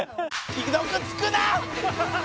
既読つくな！